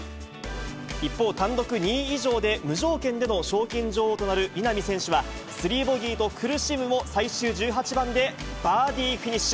一方、単独２位以上で無条件での賞金女王となる稲見選手は、３ボギーと苦しむも、最終１８番で、バーディーフィニッシュ。